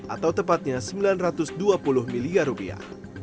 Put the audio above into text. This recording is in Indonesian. atau tepatnya sembilan ratus dua puluh miliar rupiah